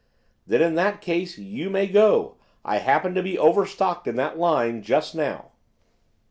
'Then in that case you may go; I happen to be overstocked in that line just now.